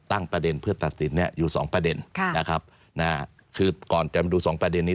ตั้งประเด็นเพื่อตัดสินอยู่๒ประเด็นนะครับคือก่อนจะมาดู๒ประเด็นนี้